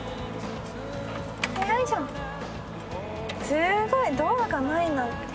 すごい！ドアがないなんて。